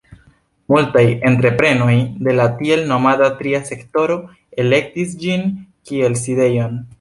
Multaj entreprenoj de la tiel nomata tria sektoro elektis ĝin kiel sidejon.